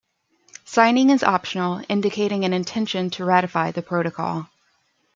Signing is optional, indicating an intention to ratify the Protocol.